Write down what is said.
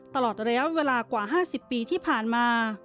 ตลอดระยะเวลากว่า๕๐ปีที่ผ่านมา